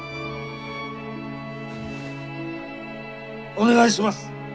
お願いします。